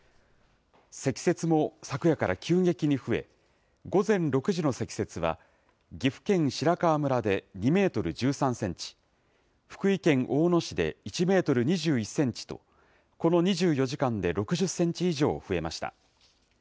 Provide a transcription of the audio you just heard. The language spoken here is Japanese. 積雪も昨夜から急激に増え、午前６時の積雪は、岐阜県白川村で２メートル１３センチ、福井県大野市で１メートル２１センチと、この２４時間で６０センチ以上増えました。